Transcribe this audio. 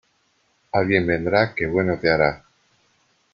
Alguien vendrá que bueno te hará.